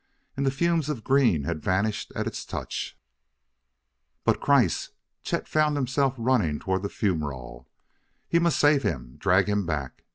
And the fumes of green had vanished at its touch. But Kreiss! Chet found himself running toward the fumerole. He must save him, drag him back.